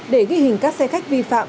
để ghi hình các xe khách vi phạm